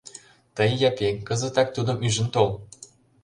Тый, Япи, кызытак тудым ӱжын тол...